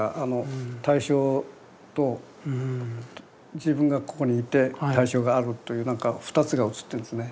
対象と自分がここにいて対象があるという何か２つが写ってるんですね。